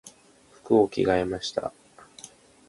服を着替えました。